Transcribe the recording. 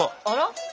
あら？